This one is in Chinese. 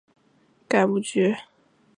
随之成立中央军委政治工作部干部局。